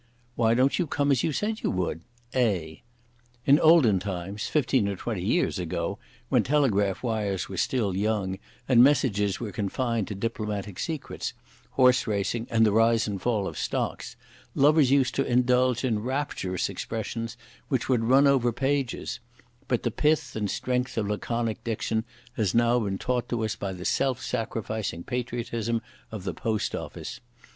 "Why don't you come as you said you would? A." In olden times, fifteen or twenty years ago, when telegraph wires were still young, and messages were confined to diplomatic secrets, horse racing, and the rise and fall of stocks, lovers used to indulge in rapturous expressions which would run over pages; but the pith and strength of laconic diction has now been taught to us by the self sacrificing patriotism of the Post Office.